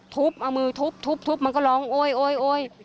ทุบเอามือทุบมันก็ร้องโอ๊ย